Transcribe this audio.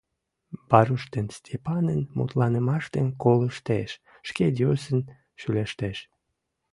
Варуш ден Степанын мутланымыштым колыштеш, шке йӧсын шӱлештеш.